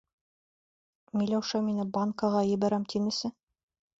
Миләүшә мине банкаға ебәрәм тинесе.